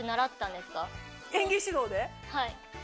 はい。